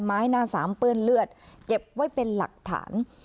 ไม้หน้าสามเปื้อนเลือดเก็บไว้เป็นหลักฐาน